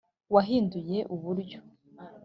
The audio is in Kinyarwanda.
wahinduye uburyo